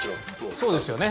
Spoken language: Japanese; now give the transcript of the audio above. そうですよね。